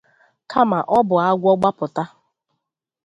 kama ọ bụ agwọ gbapụta